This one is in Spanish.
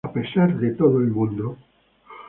A pesar de todo mundo.